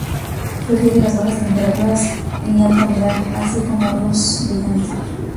Prefiere las bajas temperaturas y alta humedad, así como la luz brillante.